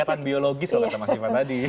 kedekatan biologis kalau kata mas siva tadi